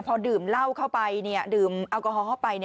พอดื่มเหล้าเข้าไปดื่มแอลกอฮอลเข้าไป